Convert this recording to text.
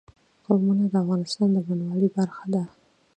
قومونه د افغانستان د بڼوالۍ برخه ده.